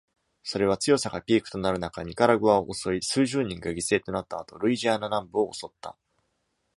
それは強さがピークとなる中ニカラグアを襲い、数十人が犠牲となった後、ルイジアナ南部を襲った。